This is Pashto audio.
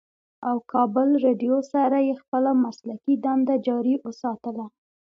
او کابل رېډيو سره ئې خپله مسلکي دنده جاري اوساتله